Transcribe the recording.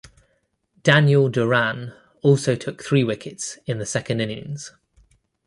Daniel Doran also took three wickets in the second innings.